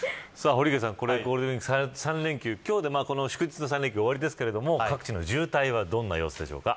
堀池さん、ゴールデンウイーク３連休、今日で祝日の３連休は終わりですが各地の渋滞はどのような様子ですか。